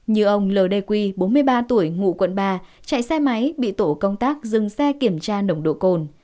như ông ld quy bốn mươi ba tuổi ngụ quận ba chạy xe máy bị tổ công tác dừng xe kiểm tra nồng độ cồn